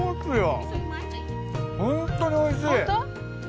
ホントにおいしい！